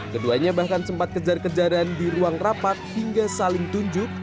keduanya bahkan sempat kejar kejaran di ruang rapat hingga saling tunjuk